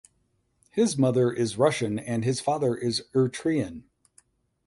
His mother is Russian and his father is Eritrean.